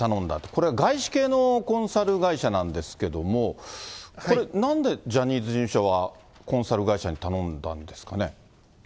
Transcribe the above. これは外資系のコンサル会社なんですけども、これ、なんでジャニーズ事務所はコンサル会社に頼んだんですかね。